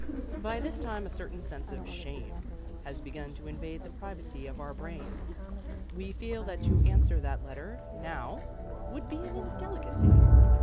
By this time a certain sense of shame has begun to invade the privacy of our brain. We feel that to answer that letter now would be an indelicacy.